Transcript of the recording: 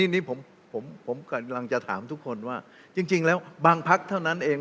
นี่ผมกำลังจะถามทุกคนว่าจริงแล้วบางพักเท่านั้นเอง